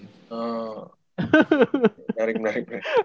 oh menarik menarik menarik